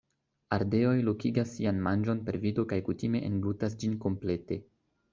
Ardeoj lokigas sian manĝon per vido kaj kutime englutas ĝin komplete.